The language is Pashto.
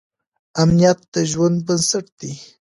امنیت د ژوند بنسټ دی.